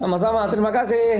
sama sama terima kasih